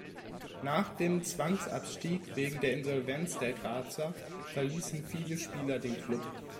Nach dem Zwangsabstieg wegen der Insolvenz der Grazer verließen viele Spieler den Klub.